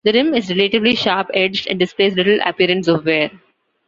The rim is relatively sharp-edged, and displays little appearance of wear.